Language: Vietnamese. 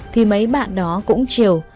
thì mấy bạn đó cũng chiều